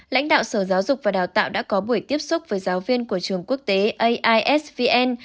lãnh đạo sở giáo dục và đào tạo đã có buổi tiếp xúc với giáo viên của trường quốc tế aisvn